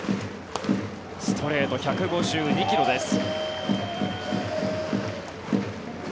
ストレート、１５２ｋｍです。